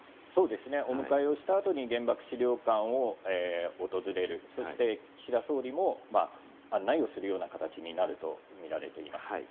お迎えした後に原爆資料館を訪れる、そして岸田総理も案内をするような形になるとみられています。